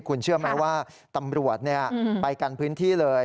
คุณเชื่อไหมว่าตำรวจไปกันพื้นที่เลย